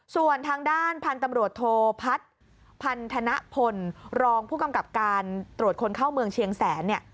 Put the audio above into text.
ส่วนทางด้านพันธุ์ตำรวจโทพัฒน์พันธนพลรองผู้กำกับการตรวจคนเข้าเมืองเชียงแสนเนี่ย